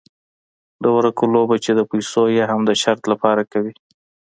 د ورقو لوبه چې د پیسو یا هم د شرط لپاره کوي.